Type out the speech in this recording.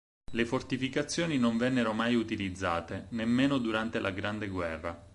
Le fortificazioni non vennero mai utilizzate, nemmeno durante la Grande Guerra.